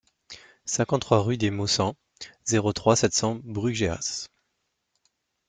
cinquante-trois rue des Maussangs, zéro trois, sept cents Brugheas